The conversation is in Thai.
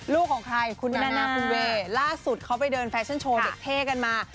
ของใครคุณแม่นาคุณเวย์ล่าสุดเขาไปเดินแฟชั่นโชว์เด็กเท่กันมา